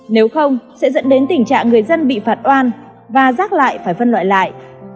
nếu không sẽ dẫn đến tình trạng người dân bị phạt oan và rác lại phải phân loại lại